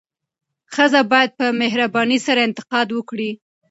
ښځه باید په مهربانۍ سره انتقاد وکړي.